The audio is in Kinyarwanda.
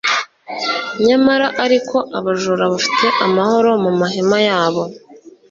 nyamara ariko, abajura bafite amahoro mu mahema yabo